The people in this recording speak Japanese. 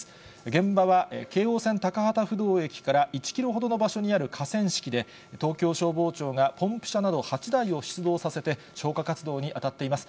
現場は、京王線高幡不動駅から１キロほどの場所にある河川敷で、東京消防庁がポンプ車など８台を出動させて、消火活動に当たっています。